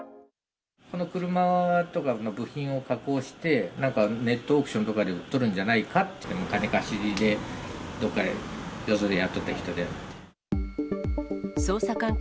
この車とかの部品を加工して、なんかネットオークションとかでうっとるんじゃないかと、金貸しでどっかよそでやっとった人だよって。